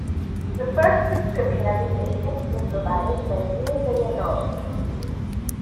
The first description of these agents was provided by Mirzayanov.